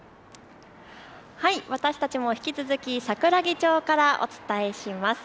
私たちも引き続き桜木町からお伝えします。